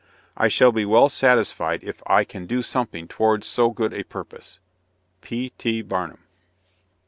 I shall be well satisfied if I can do something towards so good a purpose. P. T. BARNUM.